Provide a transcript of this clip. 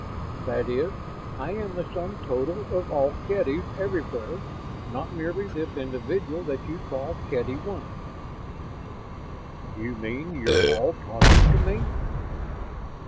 That is, I am the sum total of all Kedys everywhere, not merely this individual that you call Kedy One." "You mean you're all talking to me?"